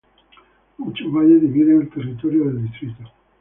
Muchos valles dividen el territorio del distrito.